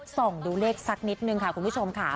ส่องดูเลขสักนิดนึงค่ะคุณผู้ชมค่ะ